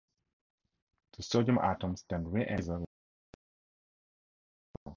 The sodium atoms then re-emit the laser light, producing a glowing artificial star.